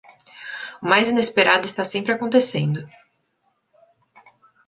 O mais inesperado está sempre acontecendo.